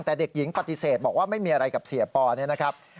แต่เด็กหญิงปฏิเสธบอกว่าไม่มีอะไรกับเสียปอเนี่ยนะครับ